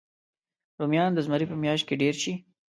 رومیان د زمري په میاشت کې ډېر شي